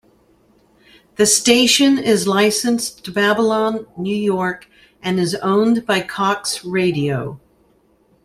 The station is licensed to Babylon, New York and is owned by Cox Radio.